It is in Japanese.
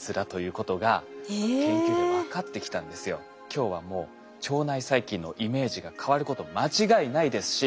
今日はもう腸内細菌のイメージが変わること間違いないですし。